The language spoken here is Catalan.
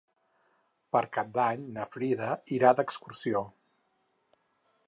Per Cap d'Any na Frida irà d'excursió.